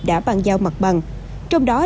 đã bàn giao mặt bằng